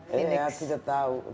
tidak tahu zaman muda